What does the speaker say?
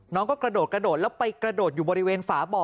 น้องก็กระโดดกระโดดแล้วไปกระโดดอยู่บริเวณฝาบ่อ